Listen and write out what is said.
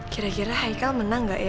kira kira haikal menang gak ya